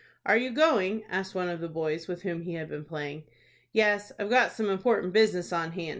"Are you going?" asked one of the boys with whom he had been playing. "Yes, I've got some important business on hand.